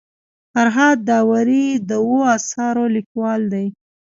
فرهاد داوري د اوو اثارو لیکوال دی.